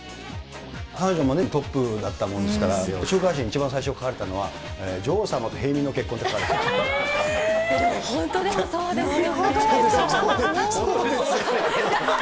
彼女もトップだったものですから、週刊誌に一番最初に書かれたのが、本当、でもそうですよね。